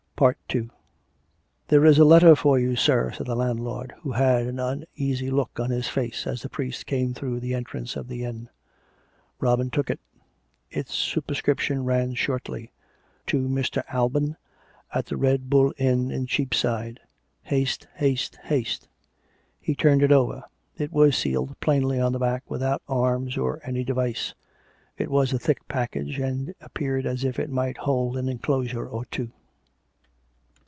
II " There is a letter for you, sir," said the landlord, who had an uneasy look on his face, as the priest came through the entrance of the inn. Robin took it. Its superscription ran shortly :" To Mr. Alban, at the Red Bull Inn in Cheapside. Haste. Haste. Haste." He turned it over; it was sealed plainly on the back without arms or any device; it was a thick package, and appeared as if it might hold an enclosure or two.